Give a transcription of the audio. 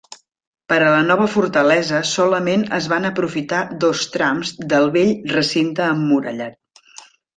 Per a la nova fortalesa solament es van aprofitar dos trams del vell recinte emmurallat.